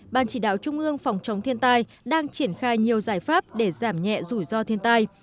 ban chỉ đạo trung ương phòng chống thiên tai đang triển khai nhiều giải pháp để giảm nhẹ rủi ro thiên tai